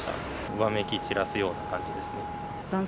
わめき散らすような感じですね。